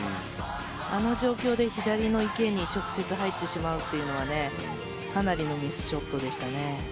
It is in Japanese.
あの状況で左の池に直接入ってしまうというのはかなりのミスショットでしたね。